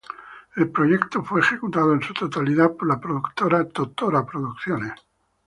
El proyecto fue ejecutado en su totalidad por la productora Totora Producciones.